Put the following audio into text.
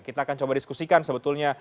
kita akan coba diskusikan sebetulnya